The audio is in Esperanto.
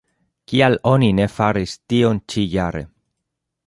Kial oni ne faris tion ĉi-jare?